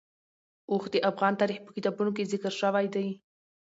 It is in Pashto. اوښ د افغان تاریخ په کتابونو کې ذکر شوی دي.